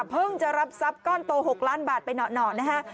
เพิ่งจะรับทรัพย์ก้อนโต๖ล้านบาทไปหน่อนะฮะ